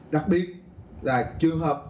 đặc biệt là trường hợp